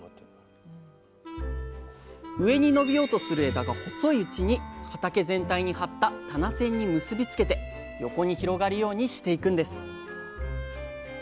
上に伸びようとする枝が細いうちに畑全体に張った棚線に結び付けて横に広がるようにしていくんです